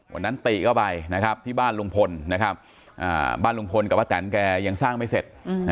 วันนั้นตรีก็ไปที่บ้านลุงพลบ้านลุงพลกับพระแทนแกยังสร้างไม่เสร็จ